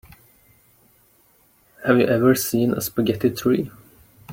Have you ever seen a spaghetti tree?